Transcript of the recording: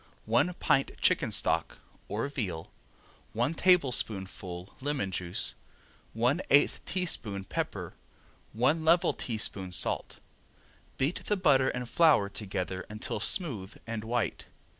One pint chicken stock (or veal), one tablespoonful lemon juice, one eighth teaspoon pepper, one level teaspoon salt. Beat the butter and flour together until smooth and white.